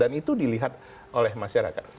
dan itu dilihat oleh masyarakat